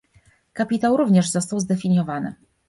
Kapitał również został zdefiniowany